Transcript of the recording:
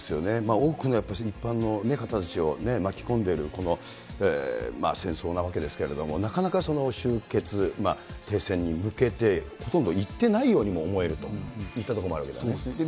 多くのやっぱり、一般の方たちを巻き込んでる、この戦争なわけですけれども、なかなかその終結、停戦に向けて、ほとんどいってないようにも思えるといったところもあるわけですそうですね。